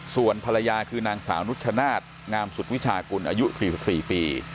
ส่วนภรรยาคือนางสาวนุชชนาธิ์งามสุดวิชากุลอายุ๔๔ปี